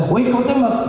woi kamu tembak